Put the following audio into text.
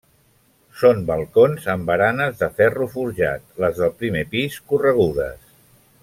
Són balcons amb baranes de ferro forjat, les del primer pis corregudes.